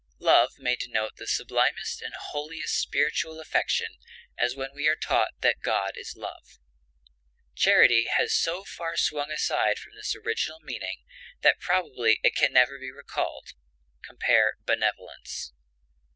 Love may denote the sublimest and holiest spiritual affection as when we are taught that "God is love." Charity has so far swung aside from this original meaning that probably it never can be recalled (compare BENEVOLENCE).